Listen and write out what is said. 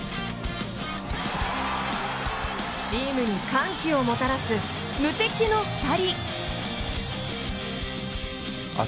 チームに歓喜をもたらす無敵の２人！